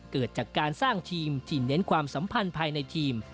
เกิดจากการสร้างทีมที่เน้นความสัมพันธ์ภายในทีม